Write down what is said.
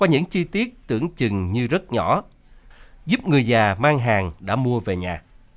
huyết tưởng chừng như rất nhỏ giúp người già mang hàng đã mua về nhà